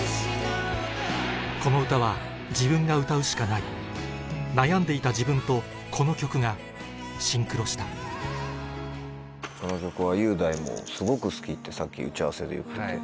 この歌は悩んでいた自分とこの曲がシンクロしたこの曲は雄大もすごく好きってさっき打ち合わせで言ってて。